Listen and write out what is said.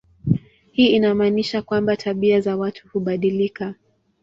Hii inamaanisha kwamba tabia za watu hubadilika.